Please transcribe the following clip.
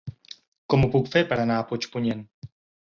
Com ho puc fer per anar a Puigpunyent?